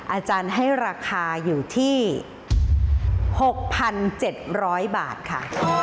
อาจารย์ให้ราคาอยู่ที่๖๗๐๐บาทค่ะ